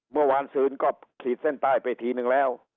เมื่อคืนก็ขีดเส้นใต้ไปทีนึงแล้ว